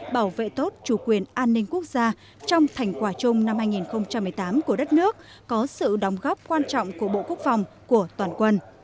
bảo vệ tốt chủ quyền an ninh quốc gia trong thành quả chung năm hai nghìn một mươi tám của đất nước có sự đóng góp quan trọng của bộ quốc phòng của toàn quân